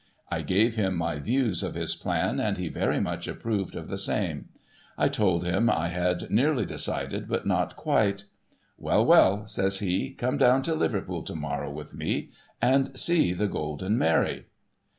I gave him my views of his plan, and he very much approved of the same. I told him I had nearly decided, but not quite. ' Well, well,' says he, ' come down to Liverpool to morrow with me, and i:o THE Wrs.ECK OF THE GOLDEN MARY sec the Golden Mary.'